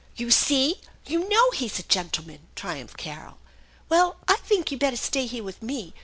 " You see ! You know he's a gentleman !" triumphed Carol. " Well, I think you'd better stay here with me.